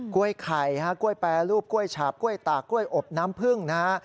กล้วยไข่ฮะกล้วยแปรรูปกล้วยฉาบกล้วยตากกล้วยอบน้ำพึ่งนะฮะ